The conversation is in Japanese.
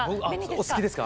お好きですか？